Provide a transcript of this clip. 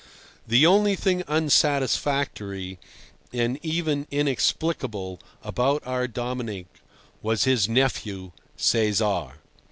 The only thing unsatisfactory (and even inexplicable) about our Dominic was his nephew, Cesar.